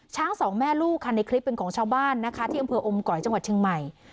สองแม่ลูกค่ะในคลิปเป็นของชาวบ้านนะคะที่อำเภออมก๋อยจังหวัดเชียงใหม่